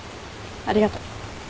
ありがとう。